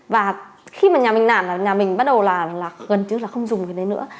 và khi mà nhà mình nản là nhà mình bắt đầu là gần như là không dùng cái đấy nữa